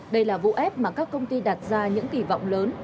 đây là vụ ép mà các công ty đặt ra những kỳ vọng lớn